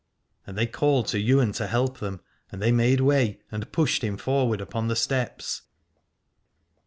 And they called to Ywain to help them, and they made way and pushed him forward upon the steps.